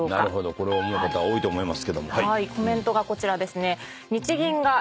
そう思う方も多いと思います。